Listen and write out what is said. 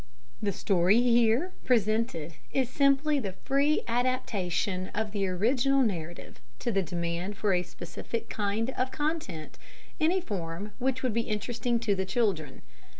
The story here presented is simply the free adaptation of the original narrative to the demand for a specific kind of content in a form which would be interesting to the children.